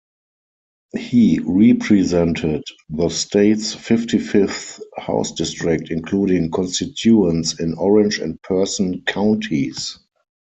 He represented the state's fifty-fifth House district, including constituents in Orange and Person counties.